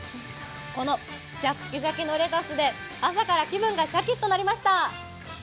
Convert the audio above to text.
このシャッキシャキのレタスで朝から気分がシャキッとなりました。